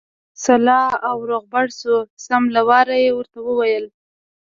سلا او روغبړ شو، سم له واره یې ورته وویل.